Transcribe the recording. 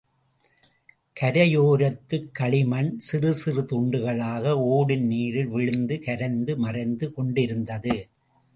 கரையோரத்துக் களிமண் சிறுசிறு துண்டுகளாக ஓடும் நீரில் விழுந்து கரைந்து மறைந்து கொண்டிருந்தது.